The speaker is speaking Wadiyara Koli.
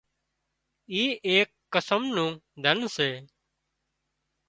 اي ايڪ قسم نُون ڌنَ سي